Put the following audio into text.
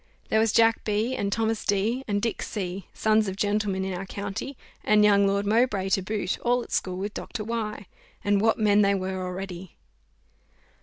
"There was Jack B , and Thomas D , and Dick C , sons of gentlemen in our county, and young Lord Mowbray to boot, all at school with Dr. Y , and what men they were already!"